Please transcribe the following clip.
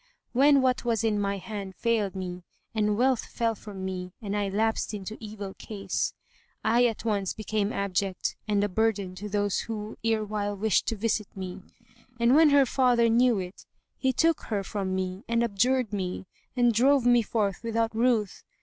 When what was in my hand failed me and wealth fell from me and I lapsed into evil case, I at once became abject and a burden to those who erewhile wished to visit me; and when her father knew it, he took her from me and abjured me and drove me forth without ruth.